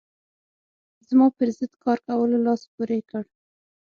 زما پر ضد کار کولو لاس پورې کړ.